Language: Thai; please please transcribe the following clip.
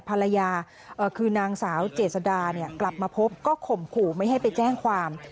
ภรรยาคือนางสาวเจษดากลับมาพบก็ข่มขู่ไม่ให้ไปแจ้งความ